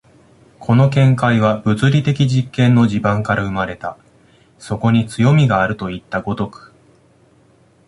この見解は物理的実験の地盤から生まれた、そこに強味があるといった如く。